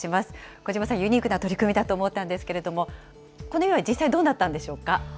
小島さん、ユニークな取り組みだと思ったんですけれども、この家は実際にどうなったんでしょうか。